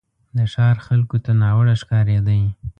د ښار خلکو ته ناوړه ښکارېدی.